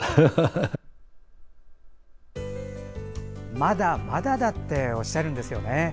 まだまだだっておっしゃるんですよね。